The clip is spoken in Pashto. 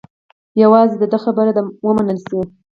یوازې د ده خبره دې ومنل شي.